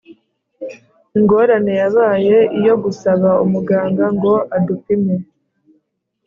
. Ingorane yabaye iyo gusaba muganga ngo adupime.